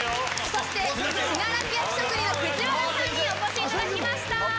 そして信楽焼職人の藤原さんにお越しいただきました。